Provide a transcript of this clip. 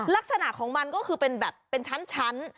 ลักษณะของมันก็คือเป็นแบบเป็นชั้น